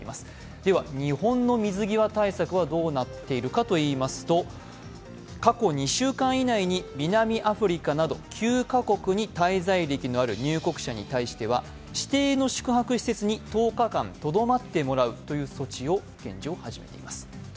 では日本の水際対策はどうなっているかといいますと過去２週間以内に南アフリカなど９カ国に滞在歴のある入国者に対しては、指定の宿泊施設に１０日間、とどまってもらうという措置を、現状始めています。